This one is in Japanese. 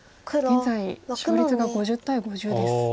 現在勝率が５０対５０です。